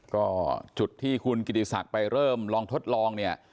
ก็จุดที่คุณกิติศักดิ์ไปเริ่มลองทดลองเนี่ย